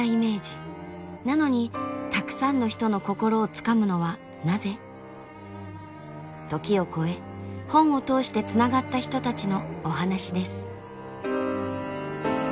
なのにたくさんの人の心をつかむのはなぜ？時を超え本を通してつながった人たちのお話です。